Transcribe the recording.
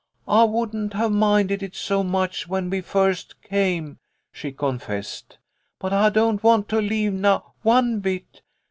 I wouldn't have minded it so much when we first came," she confessed, "but I don't want to leave now, one bit.